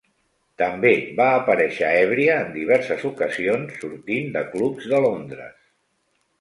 També va aparèixer èbria en diverses ocasions sortint de clubs de Londres.